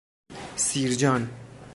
سیرجان